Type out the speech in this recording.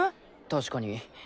確かに。